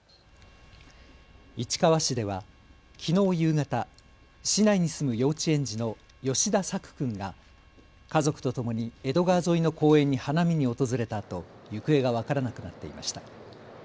市川市ではきのう夕方、市内に住む幼稚園児の吉田朔君が家族とともに江戸川沿いの公園に花見に訪れたあと行方が分からなくなっていました。